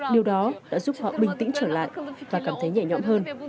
điều đó đã giúp họ bình tĩnh trở lại và cảm thấy nhẹ nhõm hơn